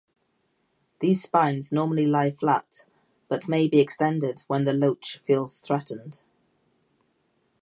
These spines normally lie flat, but may be extended when the loach feels threatened.